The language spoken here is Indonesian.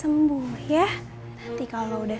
masih tuh ada